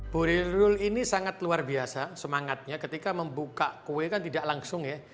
bu rirul ini sangat luar biasa semangatnya ketika membuka kue kan tidak langsung ya